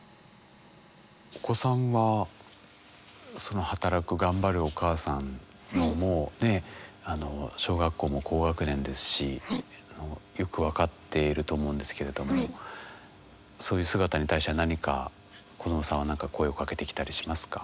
お子さんは働く頑張るお母さんのもうね小学校も高学年ですしよく分かっていると思うんですけれどもそういう姿に対しては何か子どもさんは何か声をかけてきたりしますか？